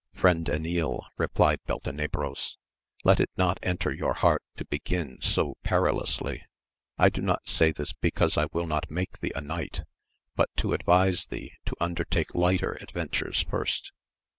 Friend Enil, replied Beltenebros, let it not enter your heart to begin so perilously. I do not say this because I will not make thee a knight, but to advise thee to undertake lighter adventures first.